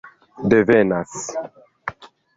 devenas